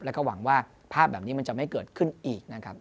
แล้วก็หวังว่าภาพแบบนี้มันจะไม่เกิดขึ้นอีกนะครับ